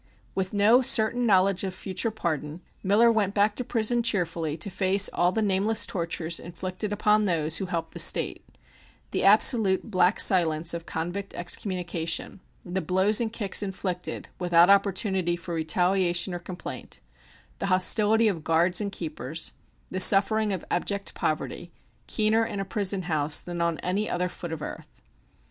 With no certain knowledge of a future pardon Miller went back to prison cheerfully to face all the nameless tortures inflicted upon those who help the State the absolute black silence of convict excommunication, the blows and kicks inflicted without opportunity for retaliation or complaint, the hostility of guards and keepers, the suffering of abject poverty, keener in a prison house than on any other foot of earth.